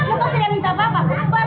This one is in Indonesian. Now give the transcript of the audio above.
itu saya yang minta bapak